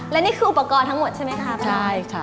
และนี่คืออุปกรณ์ทั้งหมดใช่ไหมคะใช่ค่ะ